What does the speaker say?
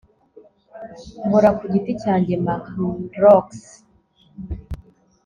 Nkora ku giti cyanjye MarlonX